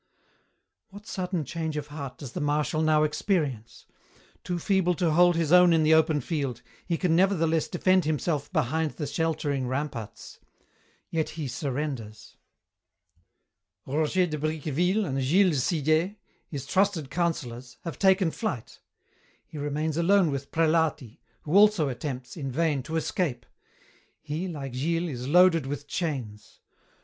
"What sudden change of heart does the Marshal now experience? Too feeble to hold his own in the open field, he can nevertheless defend himself behind the sheltering ramparts yet he surrenders. "Roger de Bricqueville and Gilles de Sillé, his trusted councillors, have taken flight. He remains alone with Prelati, who also attempts, in vain, to escape. He, like Gilles, is loaded with chains.